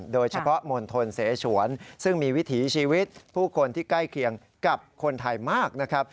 มณฑลเสชวนซึ่งมีวิถีชีวิตผู้คนที่ใกล้เคียงกับคนไทยมากนะครับ